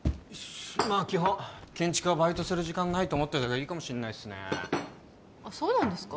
まあ基本建築はバイトする時間ないと思っといた方がいいかもしんないっすねそうなんですか？